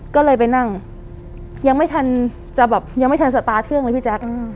ก็เลยไปนั่งยังไม่ทันสตาเทื่องเลยพี่แจ๊ค